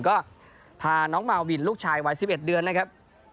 ก็พาน้องมาวินลูกชายวัย๑๑เดือนนะครับ